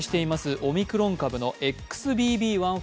オミクロン株のＸＢＢ．１．５